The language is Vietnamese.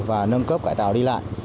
và nâng cấp cải tạo đi lại